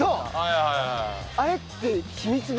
あれって。